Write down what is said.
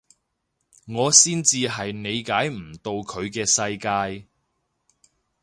我先至係理解唔到佢嘅世界